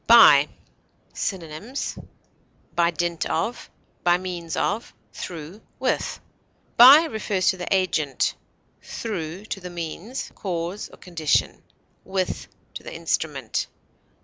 BY. Synonyms: by dint of, by means of, through, with. By refers to the agent; through, to the means, cause, or condition; with, to the instrument.